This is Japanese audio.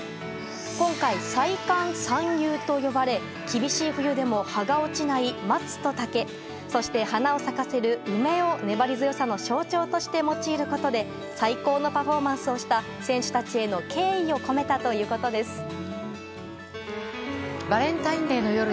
今回、歳寒三友と呼ばれ厳しい冬でも葉が落ちない松と竹そして花を咲かせる梅を粘り強さの象徴として用いることで最高のパフォーマンスをした選手たちへの敬意を込めたということです。